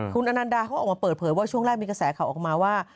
คุณอนันดาเขาออกมาเปิดเผยว่าช่วงแรกมีกระแสข่าวออกมาว่า